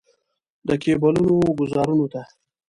د کیبلونو ګوزارونو ته.